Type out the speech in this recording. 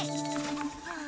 はあ。